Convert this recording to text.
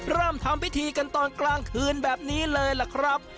เริ่มทำพิธีกันตอนกลางคืนแบบนี้เลยล่ะครับ